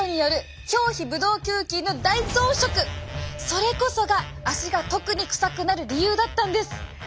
それこそが足が特にくさくなる理由だったんです。